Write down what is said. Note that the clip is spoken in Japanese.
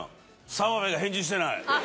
澤部が返事してない！